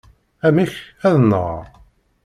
Amek! Ad nɣeɣ?